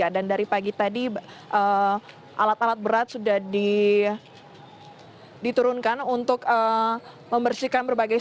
dan dari pagi tadi alat alat berat sudah diturunkan untuk membersihkan berbagai hal